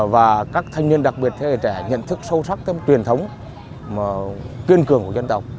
và các thanh niên đặc biệt thế hệ trẻ nhận thức sâu sắc truyền thống kiên cường của dân tộc